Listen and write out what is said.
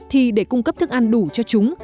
thì để cung cấp thức ăn đủ cho chúng